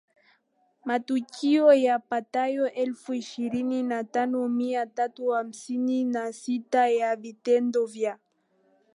matukio yapatayo elfu ishirini na tano mia tatu hamsini na sita ya vitendo vya